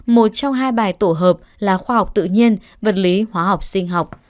một trong hai bài tổ hợp là khoa học tự nhiên vật lý hóa học sinh học